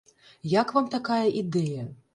Як вам такая ідэя?